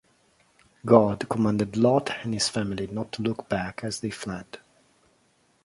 God commanded Lot and his family not to look back as they fled.